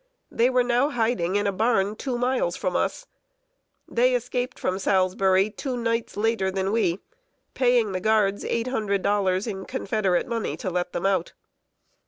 They were now hiding in a barn two miles from us. They escaped from Salisbury two nights later than we, paying the guards eight hundred dollars in Confederate money to let them out.